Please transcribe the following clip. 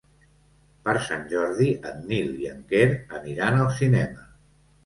Per Sant Jordi en Nil i en Quer aniran al cinema.